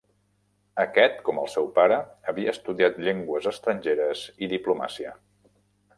Aquest, com el seu pare, havia estudiat llengües estrangeres i diplomàcia.